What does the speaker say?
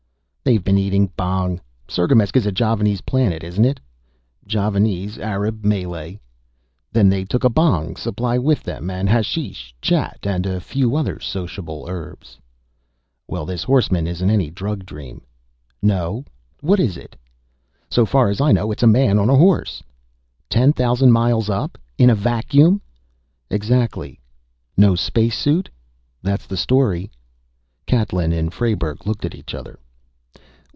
"They've been eating bhang. Sirgamesk is a Javanese planet, isn't it?" "Javanese, Arab, Malay." "Then they took a bhang supply with them, and hashish, chat, and a few other sociable herbs." "Well, this horseman isn't any drug dream." "No? What is it?" "So far as I know it's a man on a horse." "Ten thousand miles up? In a vacuum?" "Exactly." "No space suit?" "That's the story." Catlin and Frayberg looked at each other.